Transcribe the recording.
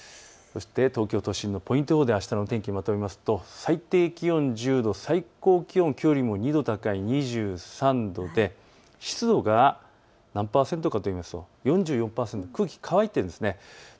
東京都心のポイント予報であしたの天気をまとめますと最低気温１０度、最高気温、きょうよりも２度高い２３度で湿度が４４％、空気乾いているんです。